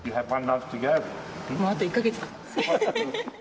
もうあと１か月ですね。